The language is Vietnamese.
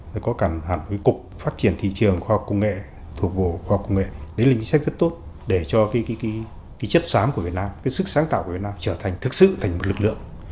đấy là chính sách rất tốt để cho cái chất sám của việt nam cái sức sáng tạo của việt nam trở thành thực sự thành một lực lượng